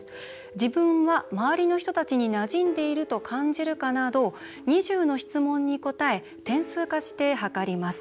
自分は周りの人たちになじんでいると感じるかなど２０の質問に答え点数化して測ります。